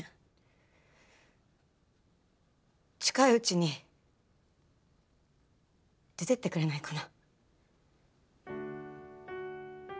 近いうちに出てってくれないかな。